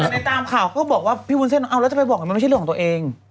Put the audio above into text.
ในตามข่าวก็บอกว่าพี่วุ้นเส้นเอาแล้วจะไปบอกมันไม่ใช่เรื่องของตัวเอง